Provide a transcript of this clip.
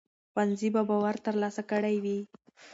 ښوونځي به باور ترلاسه کړی وي.